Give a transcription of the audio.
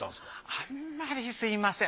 あんまりすみません。